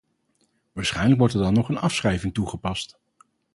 Waarschijnlijk wordt er dan nog een afschrijving toegepast.